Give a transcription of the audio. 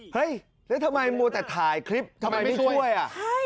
เฮ้ยแล้วทำไมมัวแต่ถ่ายคลิปทำไมไม่ช่วยอ่ะ